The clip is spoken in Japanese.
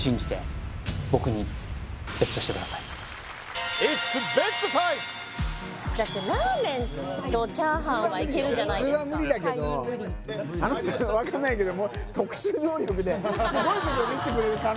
してくださいだってラーメンとチャーハンはいけるじゃないですか普通は無理だけどあの人分かんないけどももあるじゃん